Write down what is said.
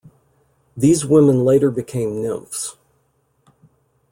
These women later became nymphs.